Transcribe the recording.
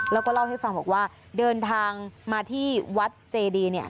แล้วก็เล่าให้ฟังบอกว่าเดินทางมาที่วัดเจดีเนี่ย